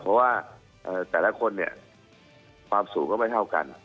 เพราะว่าเก่งหว่ากลัวแต่ละคนความสูงก็ไม่เท่ากัน